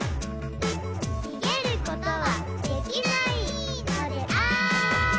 「逃げることはできないのである」